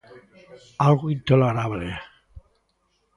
¡Algo intolerable!